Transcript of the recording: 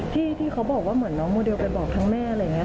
ที่เขาบอกว่าเหมือนน้องโมเดลไปบอกทั้งแม่อะไรอย่างนี้